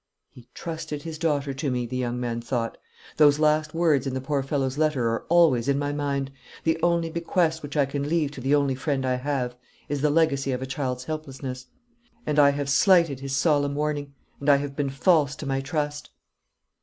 "He trusted his daughter to me," the young man thought. "Those last words in the poor fellow's letter are always in my mind: 'The only bequest which I can leave to the only friend I have is the legacy of a child's helplessness.' And I have slighted his solemn warning: and I have been false to my trust."